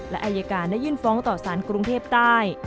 และอายการได้ยื่นฟ้องต่อสารกรุงเทพใต้